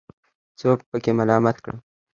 څوک پکې ملامت کړم.